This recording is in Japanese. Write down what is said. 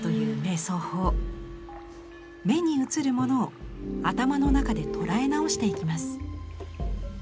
目に映るものを頭の中で捉え直していきます。